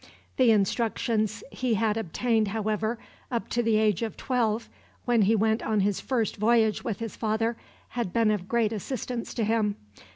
The instructions he had obtained, however, up to the age of twelve, when he went on his first voyage with his father, had been of great assistance to him.